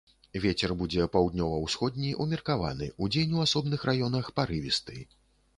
Вецер будзе паўднёва-ўсходні ўмеркаваны, удзень у асобных раёнах парывісты.